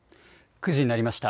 ９時になりました。